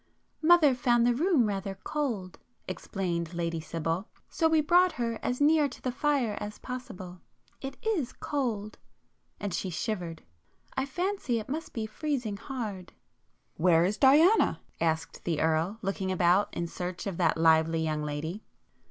"Mother found the room rather cold"—explained Lady Sibyl—"So we brought her as near to the fire as possible. It is cold"—and she shivered—"I fancy it must be freezing hard." "Where is Diana?" asked the Earl, looking about in search of that lively young lady.